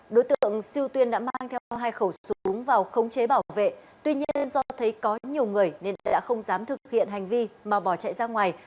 đối tượng siêu tuyên đã mang theo hai khẩu súng vào khống chế bảo vệ tuy nhiên do thấy có nhiều người nên đã không dám thực hiện hành vi mà bỏ chạy ra ngoài